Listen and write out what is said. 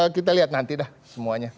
kita lihat nanti dah semuanya